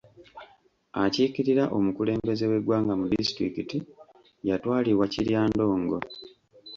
Akiikirira omukulembeze w'eggwanga mu disitulikiti yatwalibwa Kiryandongo.